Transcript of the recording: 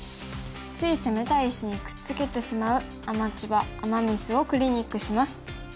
つい攻めたい石にくっつけてしまうアマチュアアマ・ミスをクリニックします。